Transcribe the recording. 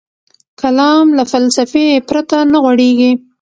کلام له فلسفې پرته نه غوړېږي.